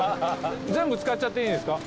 全部使っちゃっていいですか？